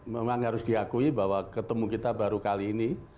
memang harus diakui bahwa ketemu kita baru kali ini